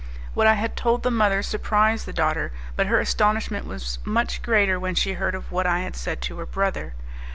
What I had told the mother surprised the daughter, but her astonishment was much greater when she heard of what I had said to her brother.